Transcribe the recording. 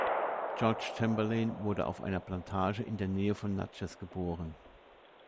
George Chamberlain wurde auf einer Plantage in der Nähe von Natchez geboren.